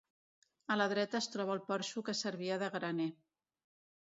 A la dreta es troba el porxo que servia de graner.